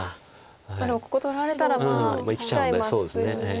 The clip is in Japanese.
でもここ取られたらまあ生きちゃいますよね。